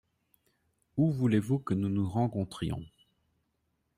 Où voulez-vous que nous nous rencontrions ?